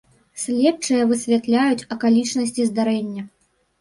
Следчыя высвятляюць акалічнасці здарэння.